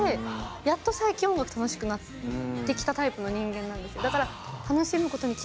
やっと最近音楽楽しくなってきたタイプの人間なんです。